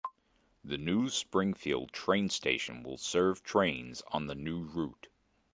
The new Springfield train station will serve trains on the new route.